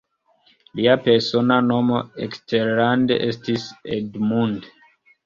Lia persona nomo eksterlande estis "Edmund".